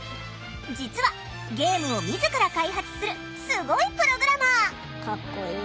実はゲームを自ら開発するすごいプログラマー。